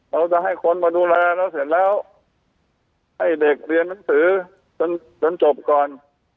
เราจะให้คนมาดูแลเราเสร็จแล้วให้เด็กเรียนหนังสือจนจบก่อน